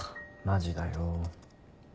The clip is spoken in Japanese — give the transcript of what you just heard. マジだよ。